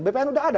bphn sudah ada